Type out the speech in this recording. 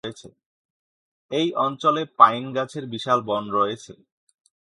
এই অঞ্চলে পাইন গাছের বিশাল বন রয়েছে।